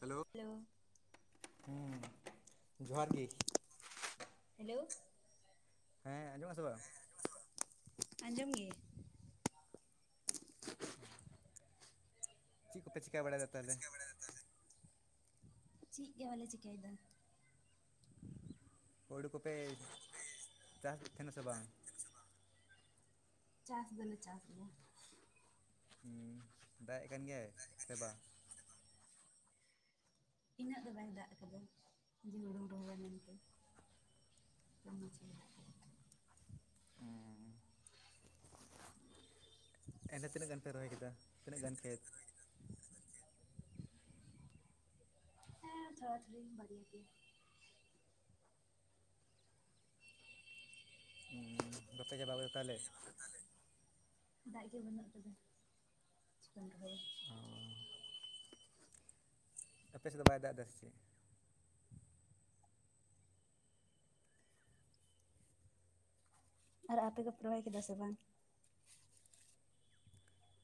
Hello. Hello. ᱦᱩᱸᱻ ᱡᱚᱦᱟᱨ ᱜᱮ᱾ ᱦᱮᱞᱳᱣ ᱾ ᱦᱮᱸ ᱟᱸᱡᱚᱢᱮᱜ-ᱟᱢ ᱥᱮ ᱵᱟᱝ? ᱟᱸᱡᱚᱢ ᱜᱮ᱾ ᱪᱮᱫ ᱠᱚᱯᱮ ᱪᱤᱠᱟ ᱵᱟᱲᱟᱭᱮᱫᱟ ᱛᱟᱦᱚᱞᱮ? [inaudible] ᱪᱤᱜ ᱜᱮ ᱵᱟᱞᱮ ᱪᱤᱠᱟᱹᱭᱮᱫᱟ᱾ ᱦᱳᱲᱳ ᱠᱚᱯᱮ ᱪᱟᱥ ᱛᱟᱦᱮᱸᱱᱟ ᱥᱮ ᱵᱟᱝ? ᱪᱟᱥ ᱫᱚᱞᱮ ᱪᱟᱥ ᱜᱮᱭᱟ᱾ ᱦᱩᱸᱻ ᱫᱟᱜ ᱮ ᱠᱟᱱ ᱜᱮᱭᱟᱭ ᱥᱮ ᱵᱟᱝ? ᱤᱱᱟᱹᱜ ᱫᱚ ᱵᱟᱭ ᱫᱟᱜ ᱟᱠᱟᱫᱟ, ᱡᱮ ᱦᱩᱲᱩᱢ ᱨᱚᱦᱚᱭᱟ ᱢᱮᱱᱛᱮ᱾ [inaudible] ᱦᱩᱸ᱾ ᱮᱸᱰᱮ ᱛᱤᱱᱟᱹᱜ ᱜᱟᱱ ᱯᱮ ᱨᱚᱦᱚᱭ ᱠᱮᱫᱟ, ᱛᱤᱱᱟᱹᱜ ᱜᱟᱱ ᱠᱷᱮᱛ? ᱦᱮᱸ ᱛᱷᱚᱲᱟ ᱛᱷᱚᱲᱤ ᱵᱟᱨᱭᱟ ᱜᱮ᱾ ᱦᱩᱸᱻ ᱵᱟᱯᱮ ᱪᱟᱵᱟᱣ ᱠᱟᱫᱟ ᱛᱟᱦᱚᱞᱮ? ᱫᱟᱜ ᱜᱮ ᱵᱟᱹᱱᱩᱜ ᱠᱟᱫᱟ, [inaudible] ᱨᱚᱦᱚᱭᱟ᱾ ᱟᱯᱮ ᱥᱮᱫ ᱫᱚ ᱵᱟᱭ ᱫᱟᱜ ᱮᱫᱟ ᱥᱮ ᱪᱮᱫ? ᱟᱨ ᱟᱯᱮ ᱠᱚ ᱨᱚᱦᱚᱭ ᱠᱮᱫᱟ ᱥᱮ ᱵᱟᱝ?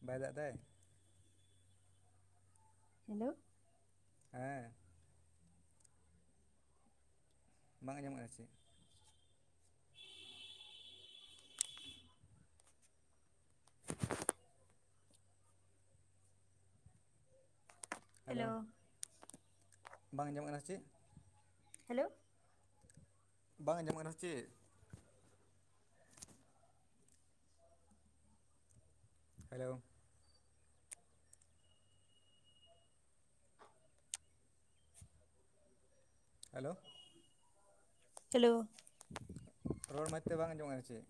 ᱵᱟᱭ ᱫᱟᱜ ᱮᱫᱟᱭ? ᱦᱮᱞᱳᱣ᱾ ᱦᱮᱸ᱾ ᱵᱟᱝ ᱟᱸᱡᱚᱢ [inaudible] ᱥᱮ ᱪᱮᱫ? Hello hello. ᱵᱟᱝ ᱟᱸᱡᱚᱢᱚᱜ ᱠᱟᱱᱟ ᱥᱮ ᱪᱮᱫ? ᱦᱮᱞᱳ ᱵᱟᱝ ᱟᱸᱡᱚᱢᱚᱜ ᱠᱟᱱᱟ ᱥᱮ ᱪᱮᱫ? ᱦᱮᱞᱳ ᱦᱮᱞᱳ ᱪᱟᱞᱳ ᱨᱚᱲ ᱢᱟᱡᱽᱛᱮ ᱵᱟᱝ ᱟᱸᱡᱚᱢᱚᱜ ᱠᱟᱱᱟ ᱥᱮ ᱪᱮᱫ?